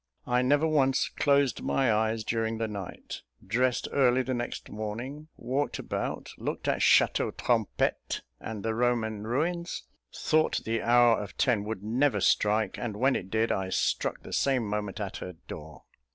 I never once closed my eyes during the night dressed early the next morning, walked about, looked at Château Trompette and the Roman ruins thought the hour of ten would never strike, and when it did, I struck the same moment at her door.